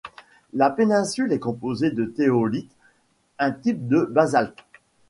La péninsule est composée de tholéiite, un type de basalte.